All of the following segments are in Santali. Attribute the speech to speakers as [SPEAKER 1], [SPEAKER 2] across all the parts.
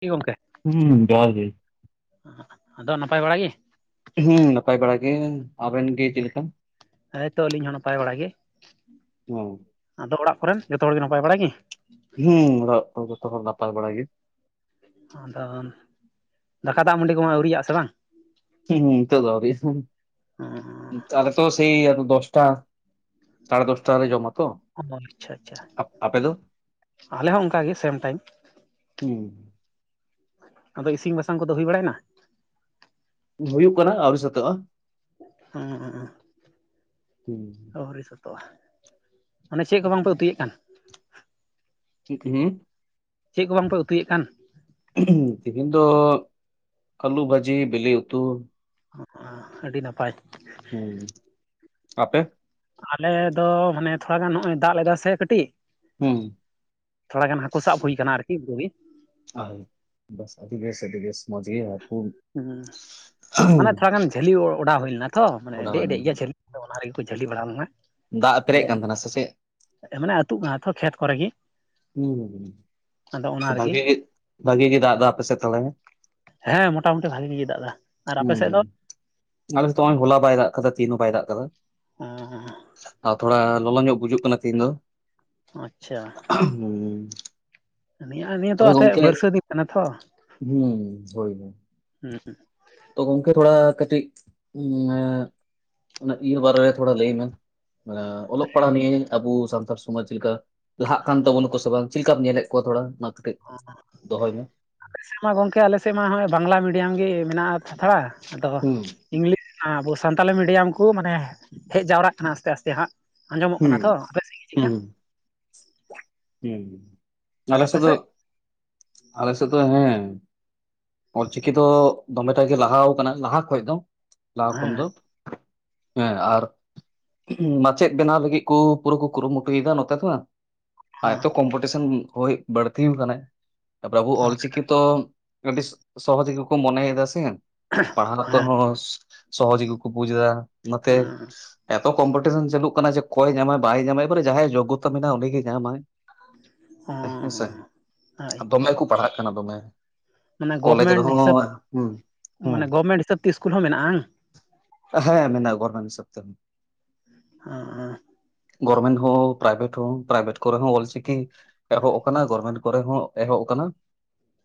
[SPEAKER 1] ᱪᱮᱫ ᱜᱚᱢᱠᱮ?
[SPEAKER 2] ᱦᱩᱸ ᱡᱚᱦᱟᱨ ᱜᱮ ᱾
[SPEAKER 1] ᱟᱫᱚ ᱱᱟᱯᱟᱭ ᱵᱟᱲᱟ ᱜᱤ?
[SPEAKER 2] ᱦᱮᱸ ᱱᱟᱯᱟᱭ ᱵᱟᱲᱟ ᱜᱮ, ᱟᱵᱮᱱ ᱜᱮ ᱪᱮᱫ ᱞᱮᱠᱟ?
[SPEAKER 1] ᱦᱳᱭᱸᱛᱚ ᱟᱹᱞᱤᱧ ᱦᱚᱸ ᱱᱟᱯᱟᱭ ᱵᱟᱲᱟ ᱜᱮ ᱾
[SPEAKER 2] ᱦᱚᱸ ᱾
[SPEAKER 1] ᱟᱫᱚ ᱚᱲᱟᱜ ᱠᱚᱨᱮᱱ, ᱡᱚᱛᱚ ᱦᱚᱲ ᱜᱮ ᱱᱟᱯᱟᱭ ᱵᱟᱲᱟᱭ ᱜᱮ?
[SPEAKER 2] ᱦᱩᱸ ᱚᱲᱟᱜ ᱠᱚᱨᱮ ᱡᱚᱛᱚ ᱦᱚᱲ ᱱᱟᱯᱟᱭ ᱵᱟᱲᱟ ᱜᱮ ᱾
[SPEAKER 1] ᱟᱫᱚ ᱫᱟᱠᱟ ᱫᱟᱜ ᱢᱟᱹᱰᱤ ᱠᱚᱢᱟ ᱟᱹᱣᱨᱤᱭᱟᱜᱼᱟ ᱥᱮ ᱵᱟᱝ?
[SPEAKER 2] ᱦᱩᱸ ᱦᱩᱸ ᱱᱤᱛᱳᱜ ᱫᱚ ᱟᱣᱹᱨᱤ ᱤᱥᱤᱱ ᱾ ᱟᱞᱮ ᱛᱚ ᱥᱮᱭ ᱫᱚᱥᱴᱟ ᱥᱟᱲᱮ ᱫᱚᱥᱴᱟ ᱞᱮ ᱡᱚᱢᱟ ᱛᱚ ᱾
[SPEAKER 1] ᱚ ᱟᱪᱪᱷᱟ ᱟᱪᱪᱷᱟ ᱾ ᱟᱞᱮ ᱦᱚᱸ ᱚᱱᱠᱟᱜᱮ ᱥᱮᱢ ᱴᱟᱭᱤᱢ ᱾
[SPEAKER 2] ᱦᱩᱸ
[SPEAKER 1] ᱟᱫᱚ ᱤᱥᱤᱱ ᱵᱟᱥᱟᱝ ᱠᱚᱫᱚ ᱦᱩᱭ ᱵᱟᱲᱟᱭᱮᱱᱟ?
[SPEAKER 2] ᱦᱩᱭᱩᱜ ᱠᱟᱱᱟ ᱟᱹᱣᱨᱤ ᱥᱟᱹᱛᱟᱜᱼᱟ ᱾
[SPEAKER 1] ᱚᱸᱻ
[SPEAKER 2] ᱦᱩᱸ᱾
[SPEAKER 1] ᱟᱹᱣᱨᱤ ᱥᱟᱹᱛᱚᱜᱼᱟ, ᱚᱟᱱᱮ ᱪᱮᱫ ᱠᱚ ᱵᱟᱝ ᱯᱮ ᱩᱛᱩᱭᱮᱫ ᱠᱟᱱ?
[SPEAKER 2] ᱦᱩᱸ ᱾
[SPEAKER 1] ᱪᱮᱫ ᱠᱚ ᱵᱟᱝ ᱯᱮ ᱩᱛᱩᱭᱮᱫ ᱠᱟᱱ?
[SPEAKER 2] ᱛᱮᱦᱧ ᱫᱚ ᱟᱹᱞᱩ ᱵᱷᱟᱹᱡᱤ ᱵᱤᱞᱤ ᱩᱛᱩ ᱾
[SPEAKER 1] ᱚ ᱟᱹᱰᱤ ᱱᱟᱯᱟᱭ ᱾
[SPEAKER 2] ᱦᱩᱸ ᱾ ᱟᱯᱮ?
[SPEAKER 1] ᱟᱞᱮ ᱫᱚ ᱢᱟᱱᱮ ᱛᱷᱚᱲᱟ ᱜᱟᱱ ᱱᱚᱜᱚᱭ ᱫᱟᱜ ᱞᱮᱫᱟ ᱥᱮ ᱠᱟᱹᱴᱤᱡ
[SPEAKER 2] ᱦᱩᱸ ᱾
[SPEAKER 1] ᱛᱷᱚᱲᱟ ᱜᱟᱱ ᱦᱟᱹᱠᱩ ᱥᱟᱵ ᱦᱩᱭ ᱟᱠᱟᱱᱟ ᱟᱨᱠᱤ ᱵᱟᱹᱫ ᱨᱮᱜᱮ᱾
[SPEAKER 2] ᱟᱦᱳᱭ ᱵᱮᱥ ᱟᱹᱰᱤᱫ ᱵᱮᱥ ᱟᱹᱰᱤ ᱟᱹᱰᱤ ᱵᱮᱥ ᱢᱚᱡ ᱜᱮ ᱦᱟᱠᱩ
[SPEAKER 1] ᱦᱩᱸ ᱢᱟᱱᱮ ᱛᱷᱚᱲᱟ ᱜᱟᱱ ᱡᱷᱟᱹᱞᱤ ᱚᱰᱟᱣ ᱦᱩᱭ ᱞᱮᱱᱟ ᱛᱚ, ᱢᱟᱱᱮ
[SPEAKER 2] ᱚᱰᱟᱣ
[SPEAKER 1] ᱰᱮᱡ ᱰᱮᱡ ᱷᱮᱭᱟ ᱡᱷᱟᱹᱞᱤ ᱚᱱᱟ ᱨᱮᱜᱮ ᱠᱚ ᱡᱷᱟᱹᱞᱤ ᱵᱟᱲᱟ ᱞᱮᱱᱟ ᱾
[SPEAKER 2] ᱫᱟᱜ ᱯᱮᱨᱮᱡ ᱠᱟᱱ ᱛᱟᱦᱮᱱᱟ ᱥᱮ ᱪᱮᱫ?
[SPEAKER 1] ᱢᱟᱱᱮ ᱟᱹᱛᱩᱜ ᱠᱟᱱᱟ ᱛᱚ ᱠᱷᱮᱛ ᱠᱚᱨᱮᱜ ᱜᱮ ᱾
[SPEAKER 2] ᱦᱩᱸ
[SPEAKER 1] ᱨᱮᱜᱮ
[SPEAKER 2] ᱵᱷᱟᱜᱤ ᱵᱷᱟᱜᱤ ᱜᱮ ᱫᱟᱜ ᱫᱟᱭ ᱟᱯᱮ ᱥᱮᱫ ᱛᱟᱦᱚᱞᱮ᱾
[SPEAKER 1] ᱦᱮᱸ ᱢᱚᱴᱟ ᱢᱩᱴᱤ ᱵᱷᱟᱜᱤ ᱜᱮ ᱫᱟᱜᱫᱟ, ᱟᱨ ᱟᱯᱮ
[SPEAKER 2] ᱦᱩᱸ
[SPEAKER 1] ᱥᱮᱫ ᱫᱚ?
[SPEAKER 2] ᱟᱞᱮ ᱥᱮᱫ ᱫᱚ ᱦᱚᱞᱟ ᱵᱟᱭ ᱫᱟᱜ ᱟᱠᱟᱫᱟ ᱛᱤᱦᱮᱱ ᱦᱚᱸ ᱵᱟᱭ ᱫᱟᱜ ᱠᱟᱫᱟ ᱾
[SPEAKER 1] [unintelligible]
[SPEAKER 2] ᱟᱨ ᱛᱷᱚᱲᱟ ᱞᱚᱞᱚ ᱧᱚᱜ ᱵᱩᱡᱩᱜ ᱠᱟᱱᱟ ᱛᱦᱤᱧ ᱫᱚ ᱾
[SPEAKER 1] ᱟᱪᱪᱷᱟ ᱾
[SPEAKER 2] [unintelligible]
[SPEAKER 1] ᱱᱤᱭᱟᱹ ᱱᱤᱭᱟᱹ ᱫᱚ
[SPEAKER 2] ᱛᱚᱵᱮ
[SPEAKER 1] ᱟᱛᱮᱫ
[SPEAKER 2] ᱜᱚᱝᱠᱮ
[SPEAKER 1] ᱵᱟᱹᱨᱥᱟᱹ ᱫᱤᱱ ᱠᱟᱱᱟ ᱛᱚ,
[SPEAKER 2] ᱦᱩᱸ ᱦᱳᱭ ᱦᱳᱭ ᱾
[SPEAKER 1] [unintelligible]
[SPEAKER 2] ᱛᱚ ᱜᱚᱝᱠᱮ ᱛᱷᱚᱲᱟ ᱠᱟᱹᱴᱤᱡ ᱮᱸ ᱤᱭᱟᱹ ᱵᱟᱨᱮ ᱨᱮ ᱛᱷᱚᱲᱟ ᱞᱟᱹᱭ ᱢᱮ? ᱢᱟᱱᱮ ᱚᱞᱚᱜ ᱯᱟᱲᱦᱟᱣ ᱱᱤᱭᱟᱹ ᱟᱵᱚ ᱥᱟᱱᱛᱟᱲ ᱥᱚᱢᱟᱡᱽ ᱪᱮᱫ ᱞᱮᱠᱟ ᱞᱟᱦᱟᱜ ᱠᱟᱱ ᱛᱟᱵᱚᱱᱟ ᱠᱚ ᱥᱮ ᱵᱟᱝ? ᱪᱮᱫ ᱞᱮᱠᱟᱢ ᱧᱮᱞᱮᱫ ᱠᱚᱣᱟ ᱛᱷᱚᱲᱟ ᱠᱟᱹᱡ ᱫᱚᱦᱚᱭ ᱢᱮ,
[SPEAKER 1] ᱟᱞᱮ ᱥᱮᱫ ᱢᱟ ᱜᱚᱝᱠᱮ ᱟᱞᱮ ᱥᱮᱫ ᱢᱟ ᱦᱚᱸᱜ-ᱚᱭ ᱵᱟᱝᱞᱟ ᱢᱤᱰᱤᱭᱟᱢ ᱜᱮ ᱢᱮᱱᱟᱜᱼᱟ ᱛᱷᱚᱲᱟ ᱟᱫᱚ
[SPEAKER 2] ᱦᱩᱸ
[SPEAKER 1] ᱤᱝᱞᱤᱥ ᱟᱵᱚ ᱥᱟᱱᱛᱟᱞᱤ ᱢᱤᱰᱤᱭᱟᱢ ᱠᱚ ᱢᱟᱱᱮ ᱦᱮᱡ ᱡᱟᱣᱨᱟᱜ ᱠᱟᱱᱟ ᱟᱥᱛᱮ ᱟᱥᱛᱮ ᱦᱟᱸᱜ ᱾ ᱟᱸᱡᱚᱢᱚᱜ
[SPEAKER 2] ᱦᱩᱸ
[SPEAKER 1] ᱠᱟᱱᱟ ᱛᱚ ᱥᱮᱫ ᱜᱮ ᱪᱮᱫᱠᱟ
[SPEAKER 2] ᱦᱩᱸ ᱦᱩᱸ
[SPEAKER 1] ᱟᱨ
[SPEAKER 2] ᱟᱞᱮ
[SPEAKER 1] ᱟᱯᱮ
[SPEAKER 2] ᱥᱮᱫ ᱫᱚ ᱟᱞᱮ ᱥᱮᱛ ᱫᱚ ᱦᱮᱸ ᱚᱞᱪᱤᱠᱤ ᱫᱚ ᱫᱚᱢᱮᱴᱟ ᱜᱮ ᱞᱟᱦᱟᱣ ᱟᱠᱟᱱᱟ ᱞᱟᱦᱟ ᱠᱷᱚᱱᱚᱡ ᱫᱚ ᱾ ᱞᱟᱦᱟ ᱠᱷᱚᱱ
[SPEAKER 1] ᱦᱮᱸ
[SPEAKER 2] ᱫᱚ ᱦᱮᱸ ᱟᱨ ᱢᱟᱪᱮᱫ ᱵᱮᱱᱟᱣ ᱞᱟᱹᱜᱤᱫ ᱠᱚ ᱯᱩᱨᱟᱹ ᱠᱚ ᱠᱩᱨᱩᱢᱩᱴᱩᱭ ᱮᱫᱟ ᱱᱚᱛᱮ ᱫᱚ ᱾
[SPEAKER 1] ᱦᱮᱸ
[SPEAKER 2] ᱮᱛᱚ ᱠᱚᱢᱯᱤᱴᱤᱥᱮᱱ ᱦᱩᱭ ᱵᱟᱹᱲᱛᱤ ᱟᱠᱟᱱᱟᱭ, ᱛᱟᱯᱚᱨᱮ ᱟᱵᱩ ᱚᱞᱪᱤᱠᱤ ᱛᱚ ᱟᱹᱰᱤ ᱥᱚᱦᱚᱡ ᱜᱮᱠᱚ ᱢᱚᱱᱮᱭ ᱫᱟ ᱥᱮ ᱯᱟᱲᱦᱟᱜ
[SPEAKER 1] ᱦᱮᱸ
[SPEAKER 2] ᱛᱚᱦᱚᱸ ᱥᱚᱦᱚᱡ ᱜᱮᱠᱚ ᱵᱩᱡ ᱮᱫᱟ, ᱱᱚᱛᱮ ᱮᱛᱚ ᱠᱚᱢᱯᱤᱴᱤᱥᱚᱱ ᱪᱟᱹᱞᱩᱜ ᱠᱟᱱᱟ ᱡᱮ ᱚᱠᱚᱭ ᱧᱟᱢᱟ ᱵᱟᱭ ᱧᱟᱢᱟ, ᱮᱵᱟᱨᱮ ᱡᱟᱦᱟᱸᱭ ᱡᱳᱜᱚᱛᱟ ᱢᱮᱱᱟᱜᱼᱟ ᱩᱱᱤᱜᱮ ᱧᱟᱢᱟᱭ ᱦᱮᱸᱥᱮ ᱾
[SPEAKER 1] ᱦᱳᱭ
[SPEAKER 2] ᱟ ᱫᱚᱢᱮ ᱠᱚ ᱯᱟᱲᱦᱟᱜ ᱠᱟᱱᱟ ᱫᱚᱢᱮ
[SPEAKER 1] ᱢᱟᱱᱮ
[SPEAKER 2] ᱾ ᱠᱚᱞᱮᱡᱽ
[SPEAKER 1] ᱜᱚᱵᱷᱢᱮᱱᱴ
[SPEAKER 2] ᱨᱮᱦᱚᱸ
[SPEAKER 1] ᱦᱤᱥᱟᱹᱵ
[SPEAKER 2] ᱦᱸ ᱦᱸ
[SPEAKER 1] ᱢᱟᱱᱮ ᱜᱚᱵᱷᱢᱮᱱᱴ ᱦᱤᱥᱟᱹᱵ ᱤᱥᱠᱩᱞ ᱦᱚᱸ ᱢᱮᱱᱟᱜᱼᱟ ᱾
[SPEAKER 2] ᱦᱮᱸ ᱢᱮᱱᱟᱜᱼᱟ ᱜᱚᱨᱢᱮᱱᱴ ᱦᱤᱥᱟᱹᱵ ᱛᱮ ᱾
[SPEAKER 1] [unintelligible]
[SPEAKER 2] ᱜᱚᱨᱢᱮᱱᱴ ᱦᱚᱸ ᱯᱨᱟᱭᱵᱷᱮᱴ ᱦᱚᱸ ᱯᱨᱟᱭᱵᱷᱮᱴ ᱠᱚᱨᱮ ᱦᱚᱸ ᱚᱞᱪᱤᱠᱤ
[SPEAKER 1] ᱦᱮᱸ
[SPEAKER 2] ᱮᱦᱚᱵ ᱠᱟᱱᱟ ᱜᱚᱨᱢᱮᱱᱴ ᱠᱚᱨᱮ ᱦᱚᱸ ᱮᱦᱚᱵ ᱠᱟᱱᱟ᱾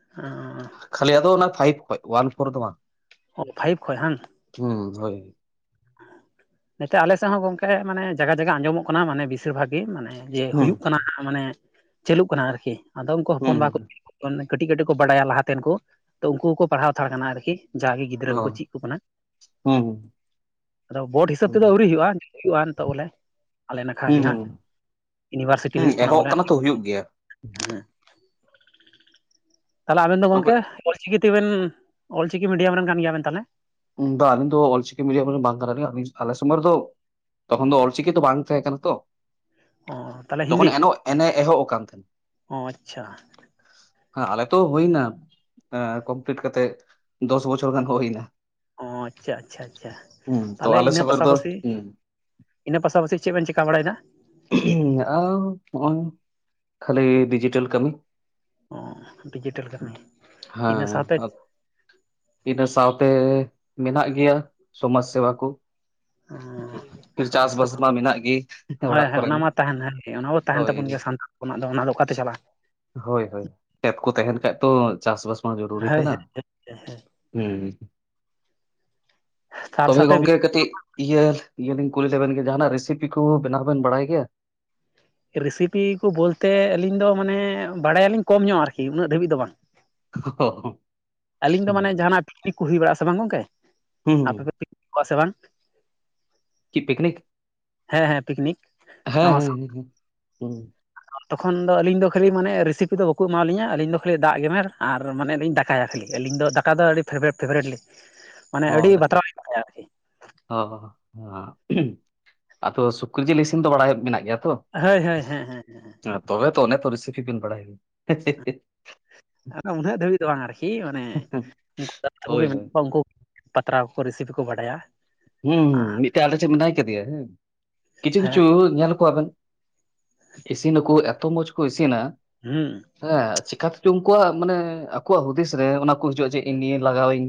[SPEAKER 1] [unintelligible]
[SPEAKER 2] ᱠᱷᱟᱹᱞᱤ ᱟᱫᱚ ᱚᱱᱟ ᱯᱷᱟᱭᱤᱵᱽ ᱠᱷᱚᱡ ᱚᱣᱟᱱ ᱯᱷᱳᱨ ᱫᱚ ᱵᱟᱝ ᱾
[SPEAKER 1] ᱚ ᱯᱷᱟᱭᱤᱵᱷ ᱠᱷᱚᱡ ᱵᱟᱟᱝ
[SPEAKER 2] ᱦᱩᱸ ᱦᱳᱭ
[SPEAKER 1] ᱱᱤᱛᱚᱜ ᱟᱞᱮ ᱥᱮᱫ ᱦᱚᱸ ᱜᱚᱝᱠᱮ ᱢᱟᱱᱮ ᱡᱟᱭᱜᱟ ᱡᱟᱭᱜᱟ ᱟᱸᱡᱚᱢᱚᱜ ᱠᱟᱱᱟ ᱢᱟᱱᱮ ᱵᱮᱥᱤᱨ ᱵᱷᱟᱜᱽ ᱜᱮ ᱢᱟᱱᱮ ᱡᱮ
[SPEAKER 2] ᱦᱩᱸ
[SPEAKER 1] ᱦᱩᱭᱩᱜ ᱠᱟᱱᱟ ᱢᱟᱱᱮ ᱪᱟᱹᱞᱩᱜ ᱠᱟᱱᱟ ᱟᱨᱠᱤ ᱟᱫᱚ ᱩᱱᱠᱩ
[SPEAKER 2] ᱦᱩᱸ
[SPEAKER 1] ᱦᱚᱯᱚᱱ ᱵᱟᱠᱚ
[SPEAKER 2] ᱦᱩᱸ
[SPEAKER 1] ᱠᱟᱹᱴᱤᱡ ᱠᱟᱹᱴᱤᱡ ᱠᱚ ᱵᱟᱲᱟᱭᱟ ᱞᱟᱦᱟᱛᱮᱱ ᱠᱚ ᱛᱚ ᱩᱱᱠᱩ ᱦᱚᱸᱠᱚ ᱯᱟᱲᱦᱟᱣ ᱦᱟᱱᱛᱟᱲ ᱠᱟᱱᱟ ᱟᱨᱠᱤ ᱡᱟᱜᱮ ᱜᱤᱫᱽᱨᱟᱹ
[SPEAKER 2] ᱚ
[SPEAKER 1] ᱠᱚᱠᱚ ᱪᱮᱫ ᱟᱠ ᱠᱟᱱᱟ ᱾
[SPEAKER 2] ᱦᱩᱸ ᱦᱩᱸ
[SPEAKER 1] ᱟᱫᱚ ᱵᱳᱴ ᱦᱤᱥᱟᱹᱵ ᱛᱮᱫᱚ ᱟᱹᱣᱨᱤ ᱦᱩᱭᱩᱜᱼᱟ, ᱦᱩᱭᱩᱜᱼᱟ ᱱᱤᱛᱚᱜ ᱵᱚᱞᱮ ᱟᱞᱮ ᱱᱟᱠᱷᱟ ᱜᱮ
[SPEAKER 2] ᱦᱩᱸ ᱦᱩᱸ
[SPEAKER 1] ᱦᱟᱸᱜ᱾ ᱤᱭᱩᱱᱤᱵᱷᱟᱨᱥᱤᱴᱤ
[SPEAKER 2] ᱦᱩᱸ
[SPEAKER 1] ᱦᱩᱭᱩᱜ ᱠᱟᱱᱟ
[SPEAKER 2] ᱮᱦᱚᱵ
[SPEAKER 1] ᱵᱚᱞᱮ, ᱦᱮᱸ
[SPEAKER 2] ᱛᱚ ᱦᱩᱭᱩᱜ ᱜᱮᱭᱟ
[SPEAKER 1] ᱛᱟᱦᱚᱞᱮ ᱟᱵᱮᱱ ᱫᱚ
[SPEAKER 2] ᱛᱚᱵᱮ
[SPEAKER 1] ᱜᱚᱝᱠᱮ ᱚᱞᱪᱤᱠᱤ ᱛᱮᱵᱮᱱ ᱚᱞᱪᱤᱠᱤ ᱢᱤᱰᱤᱭᱟᱢ ᱨᱮᱱ ᱠᱟᱱ ᱜᱮᱭᱟ ᱵᱮᱱ ᱛᱟᱦᱚᱞᱮ
[SPEAKER 2] ᱩᱱᱫᱚ ᱟᱞᱤᱧ ᱫᱚ ᱚᱞᱪᱤᱠᱤ ᱢᱤᱰᱤᱭᱟ ᱨᱮᱱ ᱫᱚ ᱵᱟᱝ ᱠᱟᱱᱟ ᱞᱤᱧ ᱟᱞᱮ ᱥᱚᱢᱭ ᱨᱮ ᱫᱚ ᱛᱚᱠᱷᱚᱱ ᱫᱚ ᱚᱞᱪᱤᱠᱤ ᱛᱚ ᱵᱟᱝ ᱛᱟᱦᱮᱸ ᱠᱟᱱᱟ ᱛᱚ
[SPEAKER 1] ᱚ ᱛᱟᱦᱚᱞᱮ
[SPEAKER 2] ᱛᱚᱠᱷᱚᱱ
[SPEAKER 1] ᱦᱤᱱᱫᱤ
[SPEAKER 2] ᱮᱱᱚ ᱮᱱᱮ ᱮᱦᱚᱵ ᱟᱠᱟᱱ ᱛᱟᱦᱮᱸᱱ
[SPEAKER 1] ᱚ ᱟᱪᱪᱷᱟ
[SPEAKER 2] ᱟᱸ ᱟᱞᱮ ᱛᱚ ᱦᱩᱭ ᱮᱱᱟ ᱮᱸ ᱠᱚᱢᱯᱞᱤᱴ ᱠᱟᱛᱮᱜ ᱫᱚᱥ ᱵᱚᱪᱷᱚᱨ ᱜᱟᱱ ᱦᱩᱭ ᱮᱱᱟ᱾
[SPEAKER 1] ᱚ ᱟᱪᱪᱷᱟ ᱟᱪᱪᱷᱟ ᱟᱪᱪᱷᱟ
[SPEAKER 2] ᱛᱚ
[SPEAKER 1] ᱛᱟᱞᱦᱮ
[SPEAKER 2] ᱟᱞᱮ
[SPEAKER 1] ᱤᱱᱟᱹ
[SPEAKER 2] ᱥᱚᱢᱚᱭ ᱨᱮᱫᱚ
[SPEAKER 1] ᱯᱟᱥᱟᱯᱟᱥᱤ ᱤᱱᱟ ᱯᱟᱥᱟ ᱯᱟᱥᱤ ᱪᱮ ᱵᱮᱱ ᱪᱮᱠᱟ ᱵᱟᱲᱟᱭ ᱫᱟ?
[SPEAKER 2] ᱟᱨ ᱱᱚᱜᱼᱚᱭ ᱠᱷᱟᱹᱞᱤ ᱰᱤᱡᱤᱴᱮᱞ ᱠᱟᱹᱢᱤ
[SPEAKER 1] ᱚ ᱰᱤᱡᱤᱴᱮᱞ ᱠᱟᱹᱢᱤ ᱤᱱᱟᱹ
[SPEAKER 2] ᱦᱮᱸ
[SPEAKER 1] ᱥᱟᱶᱛᱮ
[SPEAKER 2] ᱤᱱᱟᱹ ᱥᱟᱶᱛᱮ ᱢᱮᱱᱟᱜ ᱜᱮᱭᱟ ᱥᱚᱢᱟᱡᱽ ᱥᱮᱵᱟ ᱠᱚ ᱾ ᱪᱟᱥ
[SPEAKER 1] ᱥᱚᱢᱟᱡᱽ
[SPEAKER 2] ᱵᱟᱥ
[SPEAKER 1] ᱥᱮᱵᱟ
[SPEAKER 2] ᱢᱟ
[SPEAKER 1] ᱠᱚ
[SPEAKER 2] ᱢᱮᱱᱟᱜ ᱜᱮ᱾
[SPEAKER 1] ᱦᱳᱭ
[SPEAKER 2] ᱚᱲᱟᱜ
[SPEAKER 1] ᱦᱮᱸ ᱚᱱᱟ
[SPEAKER 2] ᱠᱚᱨᱮᱱᱟᱜ
[SPEAKER 1] ᱢᱟ ᱛᱟᱦᱮᱱᱟᱜ ᱜᱮ ᱚᱱᱟ ᱢᱟ ᱛᱟᱦᱮᱱ
[SPEAKER 2] ᱦᱳᱭ
[SPEAKER 1] ᱛᱟᱵᱚᱱ ᱜᱮᱭᱟ ᱥᱟᱱᱛᱟᱲ ᱦᱚᱯᱚᱱᱟᱜ ᱫᱚ ᱚᱱᱟ ᱫᱚ ᱚᱠᱟᱛᱮ ᱪᱟᱞᱟᱜᱼᱟ᱾
[SPEAKER 2] ᱦᱳᱭ ᱦᱳᱭ ᱠᱷᱮᱛ ᱠᱚ ᱛᱟᱦᱮᱱ ᱠᱷᱟᱡ ᱛᱚ ᱪᱟᱥ ᱵᱟᱟᱥ ᱢᱟ ᱡᱚᱨᱩᱨᱤ
[SPEAKER 1] ᱦᱳᱭ
[SPEAKER 2] ᱠᱟᱱᱟ᱾
[SPEAKER 1] ᱦᱳᱭ
[SPEAKER 2] ᱦᱩᱸ
[SPEAKER 1] ᱛᱟᱨ
[SPEAKER 2] ᱛᱚᱵᱮ
[SPEAKER 1] ᱥᱟᱛᱮ
[SPEAKER 2] ᱜᱚᱝᱠᱮ ᱠᱟᱹᱴᱤᱡ ᱤᱭᱟᱹ ᱤᱭᱟᱹ ᱞᱤᱧ ᱠᱩᱞᱤ ᱞᱮᱵᱮᱱ ᱜᱮ ᱡᱟᱦᱟᱱᱟᱜ ᱨᱮᱥᱤᱯᱤ ᱠᱚ ᱵᱮᱱᱟᱣ ᱵᱮᱱ ᱵᱟᱲᱟᱭ ᱜᱮᱭᱟ?
[SPEAKER 1] ᱨᱮᱥᱤᱯᱤ ᱠᱚ ᱵᱚᱞᱛᱮ ᱟᱹᱞᱤᱧ ᱫᱚ ᱢᱟᱱᱮ ᱵᱟᱲᱟᱭᱟᱞᱤᱧ ᱠᱚᱢ ᱧᱚᱜ ᱟᱨᱠᱤ ᱩᱱᱟᱹᱜ ᱫᱷᱟᱹᱵᱤᱡ ᱫᱚ ᱵᱟᱝ᱾
[SPEAKER 2] ᱚᱦᱚ ᱚ
[SPEAKER 1] ᱟᱹᱞᱤᱧ ᱫᱚ ᱢᱟᱱᱮ ᱡᱟᱦᱟᱱᱟᱜ ᱯᱤᱠᱱᱤᱠ ᱠᱚ ᱦᱩᱭ ᱵᱟᱲᱟᱜ-ᱟ ᱥᱮ ᱵᱟᱝ ᱜᱚᱝᱠᱮ,
[SPEAKER 2] ᱦᱩᱸ ᱦᱩᱸ᱾
[SPEAKER 1] [inaudible] ᱥᱮ ᱵᱟᱝ,
[SPEAKER 2] ᱠᱤ ᱯᱤᱠᱱᱤᱠ
[SPEAKER 1] ᱦᱮᱸ ᱦᱮᱸ ᱯᱤᱠᱱᱤᱠ᱾
[SPEAKER 2] ᱦᱮᱸ
[SPEAKER 1] ᱱᱟᱣᱟ ᱥᱟᱶ
[SPEAKER 2] ᱦᱮᱸ ᱦᱮᱸ ᱦᱮᱸ ᱦᱩᱸ
[SPEAKER 1] ᱛᱚᱠᱷᱚᱱ ᱫᱚ ᱟᱹᱞᱤᱧ ᱫᱚ ᱠᱷᱟᱹᱞᱤ ᱢᱟᱱᱮ ᱨᱮᱥᱤᱯᱤ ᱫᱚ ᱵᱟᱠᱚ ᱮᱢᱟᱞᱤᱧᱟ ᱟᱹᱞᱤᱧ ᱫᱚ ᱠᱷᱟᱹᱞᱤ ᱫᱟᱜ ᱜᱮᱢᱮᱨ ᱟᱨ ᱢᱟᱱᱮ ᱞᱤᱧ ᱫᱟᱠᱟᱭᱟ ᱠᱷᱟᱹᱞᱤ᱾ ᱟᱹᱞᱤᱧ ᱫᱚ ᱫᱟᱠᱟ ᱫᱚ ᱟᱹᱰᱤ ᱯᱷᱮᱵᱟᱨᱮᱴ ᱯᱷᱮᱵᱟᱨᱮᱴᱞᱤ ᱢᱟᱱᱮ ᱟᱹᱰᱤ ᱵᱟᱛᱨᱟᱣ ᱞᱤᱧ ᱫᱟᱠᱟᱭᱟ ᱟᱨᱠᱤ᱾
[SPEAKER 2] ᱚ ᱟᱫᱚ ᱥᱩᱠᱨᱤ ᱡᱤᱞ ᱤᱥᱤᱱ ᱫᱚ ᱵᱟᱲᱟᱭ ᱢᱮᱱᱟᱜ ᱜᱮᱭᱟ ᱛᱚ?
[SPEAKER 1] ᱦᱳᱭ ᱦᱳᱭ ᱦᱮᱸ ᱦᱮᱸ ᱦᱮᱸ᱾
[SPEAKER 2] ᱛᱚᱵᱮ ᱛᱚ ᱚᱱᱮ ᱛᱚ ᱨᱤᱥᱤᱯᱷᱤ ᱵᱤᱱ ᱵᱟᱲᱟᱭ ᱜᱮᱭᱟ ᱾
[SPEAKER 1] ᱟᱫᱚ ᱩᱱᱟᱹᱜ ᱫᱷᱟᱹᱵᱤᱡ ᱫᱚ ᱵᱟᱝ ᱟᱨᱠᱤ ᱢᱟᱱᱮ ᱩᱱᱠᱩ ᱜᱟᱛᱮ
[SPEAKER 2] ᱦᱳᱭ
[SPEAKER 1] ᱠᱚᱜᱮ ᱢᱮᱱᱟᱜ
[SPEAKER 2] ᱦᱳᱭ
[SPEAKER 1] ᱠᱚᱣᱟ ᱩᱱᱠᱩ ᱯᱟᱛᱲᱟᱣ ᱠᱚ ᱨᱮᱥᱤᱯᱤ ᱠᱚ ᱵᱟᱰᱟᱭᱟ᱾
[SPEAKER 2] ᱦᱩᱸ [inaudible]
[SPEAKER 1] ᱟᱨ
[SPEAKER 2] ᱴ ᱢᱤᱫᱴᱮᱡ ᱟᱞᱮ ᱥᱮᱫ ᱢᱮᱱᱟᱭ ᱠᱟᱫᱮᱭᱟ ᱦᱮᱸ ᱠᱤᱪᱷᱩ ᱠᱤᱪᱷᱩ ᱧᱮᱞ ᱠᱚᱣᱟᱵᱮᱱ ᱤᱥᱤᱱᱟᱠᱚ ᱮᱛᱚ ᱢᱚᱸᱡᱽ ᱠᱚ ᱤᱥᱤᱱᱟ
[SPEAKER 1] ᱦᱩᱸ᱾
[SPEAKER 2] ᱦᱮᱸ ᱪᱮᱠᱟᱛᱮ ᱪᱚᱝ ᱠᱚ ᱩᱱᱠᱩᱣᱟᱜ ᱢᱟᱱᱮ ᱟᱠᱚᱣᱟᱜ ᱦᱩᱫᱤᱥ ᱨᱮ ᱚᱱᱟ ᱠᱚ ᱦᱤᱡᱩᱜᱼᱟ ᱡᱮ ᱤᱧ ᱱᱤᱭᱟᱹ ᱞᱟᱜᱟᱣᱤᱧ᱾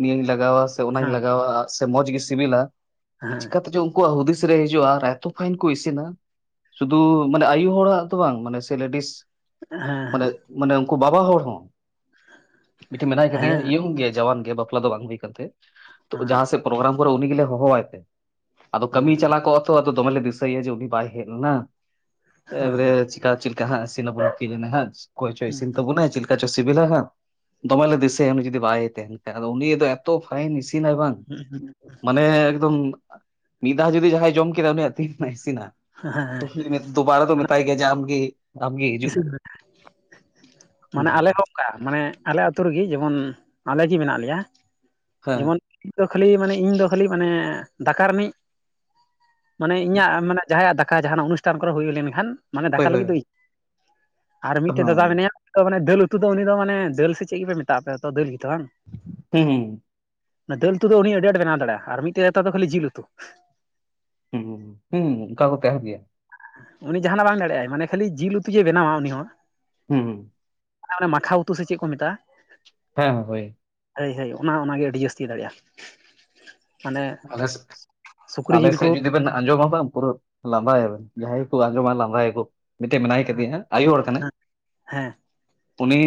[SPEAKER 2] ᱱᱤᱭᱟᱹᱧ ᱞᱟᱜᱟᱣᱟ ᱥᱮ ᱚᱱᱟᱧ
[SPEAKER 1] ᱦᱮᱸ
[SPEAKER 2] ᱞᱟᱜᱟᱣᱟ ᱟᱨ ᱥᱮ ᱢᱚᱸᱡᱽᱜᱤ ᱥᱤᱵᱤᱞᱟ
[SPEAKER 1] ᱦᱮᱸ
[SPEAKER 2] ᱪᱤᱠᱟᱛᱮ ᱪᱚᱝ ᱟᱠᱚᱣᱟᱜ ᱦᱩᱫᱤᱥ ᱨᱮ ᱦᱤᱡᱩᱜᱼᱟ ᱟᱨ ᱮᱛᱚ ᱯᱷᱟᱭᱤᱱ ᱠᱚ ᱤᱥᱤᱱᱟ ᱥᱩᱫᱷᱩ ᱢᱟᱱᱮ ᱟᱭᱩ ᱦᱚᱲᱟᱜ ᱫᱚ ᱵᱟᱝ ᱢᱟᱱᱮ ᱥᱮ ᱞᱮᱰᱤᱥ
[SPEAKER 1] ᱦᱮᱸ
[SPEAKER 2] ᱢᱟᱱᱮ ᱢᱟᱱᱮ ᱩᱱᱠᱩ ᱵᱟᱵᱟ ᱦᱚᱲ ᱦᱚᱸ᱾ ᱢᱤᱫᱴᱮᱱ ᱢᱮᱱᱟᱭ ᱠᱟᱫᱮᱭᱟ
[SPEAKER 1] ᱦᱮᱸ
[SPEAKER 2] ᱤᱭᱚᱝ ᱜᱮᱭᱟᱭ ᱡᱟᱣᱟᱱ ᱜᱮᱭᱟᱭ ᱵᱟᱯᱞᱟ ᱫᱚ ᱵᱟᱝ ᱦᱩᱭ ᱠᱟᱱ ᱛᱟᱭᱟ ᱛᱚ ᱡᱟᱦᱟᱸ ᱥᱮᱫ ᱯᱨᱳᱜᱨᱟᱢ ᱠᱚᱨᱮ ᱩᱱᱤ ᱜᱮᱞᱮ ᱦᱚᱦᱚᱣᱟᱭ ᱛᱮ ᱟᱫᱚ ᱠᱟᱹᱢᱤ ᱪᱟᱞᱟᱣ ᱠᱚ ᱛᱚ ᱟᱫᱚ ᱫᱚᱢᱮ ᱞᱮ ᱫᱤᱥᱟᱹᱭᱭᱟ ᱡᱮ ᱩᱱᱤ ᱵᱟᱭ ᱦᱮᱡ ᱞᱮᱱᱟ ᱮᱵᱟᱨᱮᱡ ᱪᱮᱞᱮᱠᱟ ᱦᱟᱸᱜ ᱤᱥᱤᱱᱵᱚᱱ ᱦᱟᱸᱜ ᱚᱠᱚᱭ ᱪᱚᱭ ᱤᱥᱤᱱ ᱛᱟᱵᱚᱱᱟᱭ ᱪᱮᱫᱞᱮᱠᱟ ᱪᱮᱫᱠᱟ ᱪᱚ ᱥᱮᱵᱮᱞᱟ ᱦᱟᱸᱜ ᱫᱚᱢᱮ ᱞᱮ ᱫᱤᱥᱟᱹᱭᱟ ᱩᱱᱤ ᱡᱩᱫᱤ ᱵᱟᱭ ᱛᱟᱦᱮᱱ ᱠᱷᱟᱱ ᱩᱱᱤ ᱫᱚ ᱮᱛᱚ ᱯᱷᱟᱭᱤᱱ ᱤᱥᱤᱱᱟᱭ ᱵᱟᱝ
[SPEAKER 1] [unintelligible]
[SPEAKER 2] ᱢᱟᱱᱮ ᱮᱠᱫᱚᱢ ᱢᱤᱫ ᱫᱷᱟᱣ ᱡᱩᱫᱤ ᱡᱟᱦᱟᱸᱭ ᱡᱚᱢ ᱠᱮᱫᱟ ᱩᱱᱤᱭᱟᱜ ᱛᱤᱨᱮᱱᱟᱜ
[SPEAKER 1] ᱦᱮᱸ
[SPEAKER 2] ᱤᱥᱤᱱᱟᱜ ᱫᱩᱵᱟᱨᱟ ᱫᱚ
[SPEAKER 1] ᱢᱟᱱᱮ
[SPEAKER 2] ᱢᱮᱛᱟᱭ ᱜᱮᱭᱟ ᱡᱮ ᱟᱢ ᱜᱮ
[SPEAKER 1] ᱤᱥᱤᱱ ᱢᱮ
[SPEAKER 2] ᱢᱮ
[SPEAKER 1] ᱢᱟᱱᱮ ᱟᱞᱮ ᱦᱚᱸ ᱚᱱᱠᱟ, ᱢᱟᱱᱮ ᱟᱞᱮ ᱟᱹᱛᱩᱳ ᱨᱮᱜᱮ, ᱡᱮᱢᱚᱱ ᱟᱞᱮ ᱜᱮ ᱢᱮᱱᱟᱜ ᱞᱮᱭᱟ
[SPEAKER 2] ᱦᱮᱸ
[SPEAKER 1] ᱡᱮᱢᱚᱱ ᱤᱧ ᱫᱚ ᱠᱷᱟᱹᱞᱤ ᱢᱟᱱᱮ, ᱤᱧ ᱫᱚ ᱠᱷᱟᱹᱞᱤ ᱢᱟᱱᱮ ᱫᱟᱠᱟ ᱨᱤᱱᱤᱡ ᱢᱟᱱᱮ ᱤᱧᱟᱹᱜ ᱢᱟᱱᱮ ᱡᱟᱦᱟᱸᱭᱟᱜ ᱫᱟᱠᱟ ᱡᱟᱦᱟᱱᱟᱜ ᱚᱱᱩᱥᱴᱷᱟᱱ ᱠᱚᱨᱮ ᱦᱩᱭ ᱞᱮᱱᱠᱷᱟᱱ, ᱢᱟᱱᱮ ᱫᱟᱠᱟ
[SPEAKER 2] ᱦᱳᱭ ᱦᱳᱭ
[SPEAKER 1] ᱞᱟᱹᱜᱤᱫ ᱫᱚ ᱤᱧ᱾ ᱟᱨ ᱢᱤᱫᱴᱮᱡ ᱫᱟᱫᱟ
[SPEAKER 2] ᱦᱚᱸ
[SPEAKER 1] ᱢᱮᱱᱟᱭᱟ ᱩᱱᱤ ᱫᱚ, ᱢᱟᱱᱮ ᱫᱟᱹᱞ ᱩᱛᱩ ᱫᱚ ᱩᱱᱤ ᱫᱚ ᱢᱟᱱᱮ ᱫᱟᱹᱞ ᱥᱮ ᱪᱮᱫ ᱜᱮᱯᱮ ᱢᱮᱛᱟᱜ ᱯᱮ ᱛᱚ ᱫᱟᱹᱞ ᱜᱮᱛᱚ ᱵᱟᱝ?
[SPEAKER 2] ᱦᱮᱸ ᱦᱮᱸ
[SPEAKER 1] ᱚᱱᱟ ᱫᱟᱹᱞ ᱩᱛᱩ ᱫᱚ ᱩᱱᱤ ᱟᱹᱰᱤ ᱟᱴ ᱵᱮᱱᱟᱣ ᱫᱟᱲᱮᱭᱟᱜ-ᱟ, ᱟᱨ ᱢᱤᱫᱴᱮᱡ ᱫᱚ ᱠᱷᱟᱹᱞᱤ ᱡᱤᱞ ᱩᱛᱩ᱾
[SPEAKER 2] ᱦᱩᱸ, ᱦᱩᱸ, ᱚᱱᱠᱟ ᱠᱚ ᱛᱟᱦᱮᱸ ᱜᱮᱭᱟ᱾
[SPEAKER 1] ᱩᱱᱤ ᱡᱟᱦᱟᱱᱟᱜ ᱵᱟᱝ ᱫᱟᱲᱮᱭᱟᱜᱼᱟᱭ, ᱢᱟᱱᱮ ᱠᱷᱟᱹᱞᱤ ᱡᱤᱞ ᱩᱛᱩ ᱡᱮᱭ ᱵᱮᱱᱟᱣᱟ ᱩᱱᱤ ᱦᱚᱸ᱾
[SPEAKER 2] ᱦᱩᱸ, ᱦᱩᱸ ᱾
[SPEAKER 1] [unintelligible] ᱚᱱᱮ ᱢᱟᱠᱷᱟᱣ ᱩᱛᱩ ᱥᱮ ᱪᱮᱫ ᱠᱚ ᱢᱮᱛᱟᱜᱼᱟ?
[SPEAKER 2] ᱦᱮᱸ, ᱦᱮᱸ, ᱦᱳᱭ᱾
[SPEAKER 1] ᱦᱟᱹᱭ, ᱦᱟᱹᱭ ᱚᱱᱟ ᱚᱱᱟᱜᱮ ᱟᱹᱰᱤ ᱡᱟᱹᱥᱛᱤ ᱫᱟᱲᱮᱭᱟᱜᱼᱟ᱾ ᱢᱟᱱᱮ
[SPEAKER 2] ᱟᱞᱮᱥ
[SPEAKER 1] ᱥᱩᱠᱨᱤ ᱡᱤᱞ
[SPEAKER 2] ᱟᱞᱮᱥᱮᱫ
[SPEAKER 1] ᱠᱚ
[SPEAKER 2] ᱡᱩᱫᱤ ᱵᱮᱱ ᱟᱸᱡᱚᱢᱟᱵᱟ ᱯᱩᱨᱟᱹ ᱞᱟᱫᱟᱭᱟᱵᱮᱱ, ᱡᱟᱦᱟᱸᱭ ᱠᱚ ᱟᱸᱡᱚᱢᱟ ᱞᱟᱫᱟ ᱭᱟᱠᱚ᱾ ᱢᱤᱫᱴᱮᱱ ᱢᱮᱱᱟᱭ ᱠᱟᱫᱮᱭᱟ ᱦᱮ ᱟᱭᱳ ᱦᱚᱲ ᱠᱟᱱᱟᱭ
[SPEAKER 1] ᱦᱮᱸ
[SPEAKER 2] ᱩᱱᱤ